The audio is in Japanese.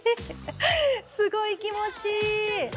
すごい気持ちいい。